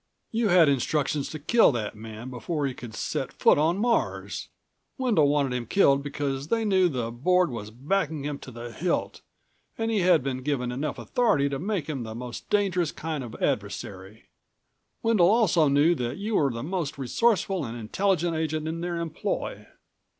You had instructions to kill that man before he could set foot on Mars. Wendel wanted him killed because they knew the Board was backing him to the hilt and he had been given enough authority to make him the most dangerous kind of adversary. Wendel also knew that you were the most resourceful and intelligent agent in their employ.